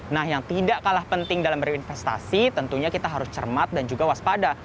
nah yang tidak kalah penting dalam berinvestasi tentunya kita harus cermat dan juga waspada